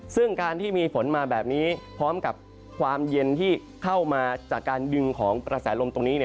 ซึ่งการที่มีฝนมาแบบนี้พร้อมกับความเย็นที่เข้ามาจากการดึงของกระแสลมตรงนี้